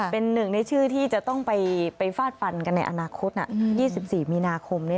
เป็นหนึ่งในชื่อที่จะต้องไปฟาดฟันกันในอนาคต๒๔มีนาคม